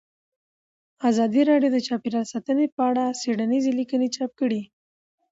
ازادي راډیو د چاپیریال ساتنه په اړه څېړنیزې لیکنې چاپ کړي.